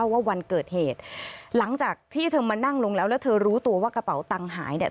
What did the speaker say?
วันเกิดเหตุหลังจากที่เธอมานั่งลงแล้วแล้วเธอรู้ตัวว่ากระเป๋าตังค์หายเนี่ย